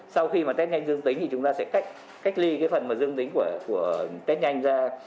sau khi mà test nhanh dương tính thì chúng ta sẽ cách ly cái phần mà dương tính của test nhanh ra